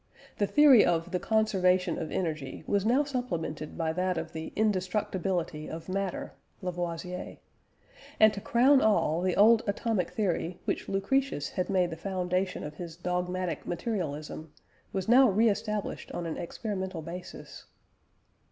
The theory of the conservation of energy was now supplemented by that of the indestructibility of matter (Lavoisier). And to crown all, the old atomic theory, which Lucretius had made the foundation of his dogmatic materialism, was now re established on an experimental basis.